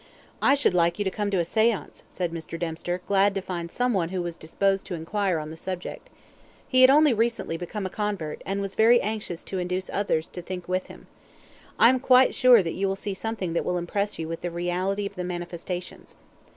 "I should like you to come to a seance" said Mr. Dempster, glad to find some one who was disposed to inquire on the subject. He had only recently become a convert, and was very anxious to induce others to think with him. "I am quite sure that you will see something that will impress you with the reality of the manifestations."